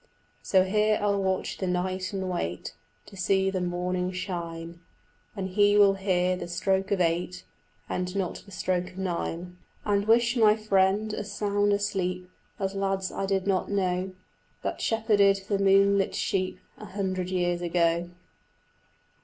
So here I'll watch the night and wait To see the morning shine, When he will hear the stroke of eight And not the stroke of nine; And wish my friend as sound a sleep As lads' I did not know, That shepherded the moonlit sheep A hundred years ago.